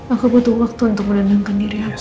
aku butuh waktu untuk menenangkan diri aku